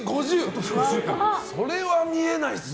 それは見えないですね。